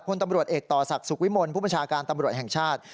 พลตำรวจเอกต่อศักดิ์สุขวิมลผู้บัญชาการตำรวจแห่งชาติ